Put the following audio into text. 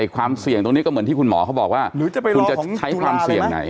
ความเสี่ยงตรงนี้ก็เหมือนที่คุณหมอเขาบอกว่าคุณจะใช้ความเสี่ยงไหน